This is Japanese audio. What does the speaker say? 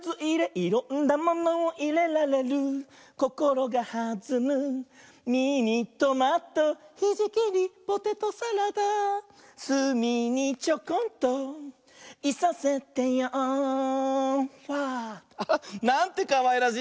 「いろんなものをいれられる」「こころがはずむミニトマト」「ひじきにポテトサラダ」「すみにちょこんといさせてよファー」なんてかわいらしいんだね。